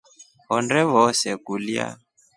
Honde vose kulya.